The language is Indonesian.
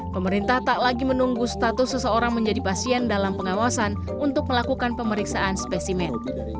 pemerintah tak lagi menunggu status seseorang menjadi pasien dalam pengawasan untuk melakukan pemeriksaan spesimen